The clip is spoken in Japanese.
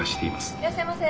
いらっしゃいませ。